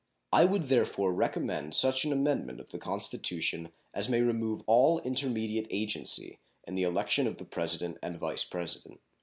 I would therefore recommend such an amendment of the Constitution as may remove all intermediate agency in the election of the President and Vice President.